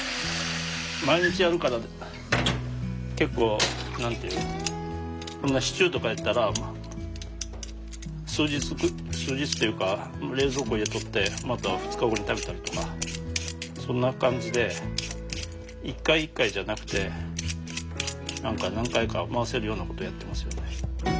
毎日やるから結構何て言うのこんなシチューとかやったらまあ数日っていうか冷蔵庫入れとってまた２日後に食べたりとかそんな感じで一回一回じゃなくて何回か回せるようなことやってますよね。